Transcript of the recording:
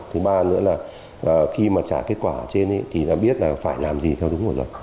thứ ba nữa là khi mà trả kết quả trên thì đã biết là phải làm gì theo đúng một luật